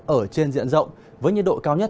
ở trên diện rộng với nhiệt độ cao nhất